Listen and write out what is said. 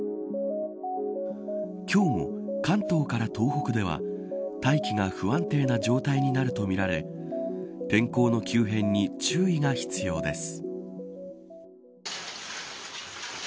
今日も関東から東北では大気が不安定な状態になるとみられ天候の急変に注意が必要です。